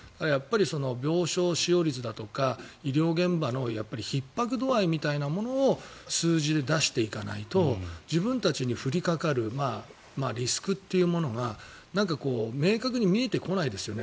病床使用率だとか医療現場のひっ迫度合いみたいなものを数字で出していかないと自分たちに降りかかるリスクというものが明確に見えてこないですよね。